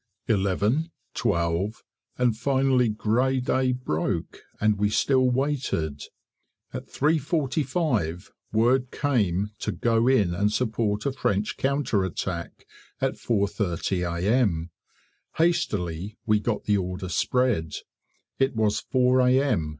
Eleven, twelve, and finally grey day broke, and we still waited. At 3.45 word came to go in and support a French counterattack at 4.30 A.M. Hastily we got the order spread; it was 4 A.M.